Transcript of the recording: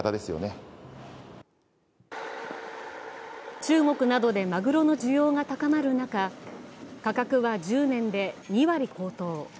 中国などでまぐろの需要が高まる中、価格は１０年で２割高騰。